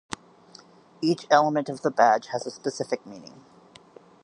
Each element of the badge has a specific meaning.